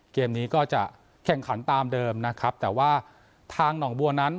เกมนี้ก็จะแข่งขันตามเดิมนะครับแต่ว่าทางหนองบัวนั้น